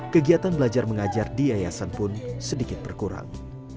kegiatan belajar mengajar di yayasan pun sedikit berkurang